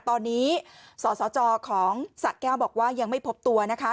ตอนนี้สสจของสะแก้วบอกว่ายังไม่พบตัวนะคะ